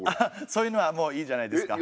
そういうのはもういいじゃないですか。